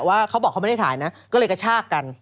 เขาบอกเขาไม่ได้ถ่ายนะก็เลยกระชากกัน